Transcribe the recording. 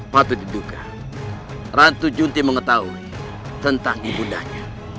patut diduga ratu junti mengetahui tentang ibundanya